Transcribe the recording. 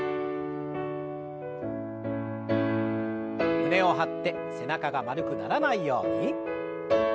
胸を張って背中が丸くならないように。